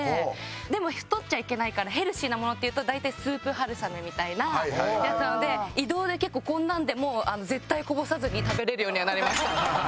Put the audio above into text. でも太っちゃいけないからヘルシーなものっていうと大体スープ春雨みたいなやつなので移動で結構こんなのでも絶対こぼさずに食べられるようにはなりました。